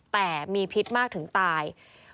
แต่มีพิษมากถึงตาย